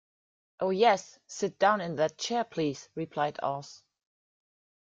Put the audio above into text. "Oh, yes; sit down in that chair, please," replied Oz.